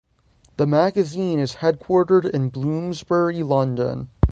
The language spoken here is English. The magazine is headquartered in Bloomsbury, London.